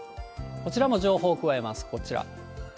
こちらも情報加えます、こちら。